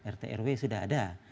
rt rw sudah ada